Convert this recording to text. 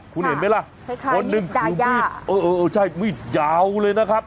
คุณเห็นไหมล่ะคล้ายคล้ายมีดดาย่าเออเออเออใช่มีดยาวเลยนะครับ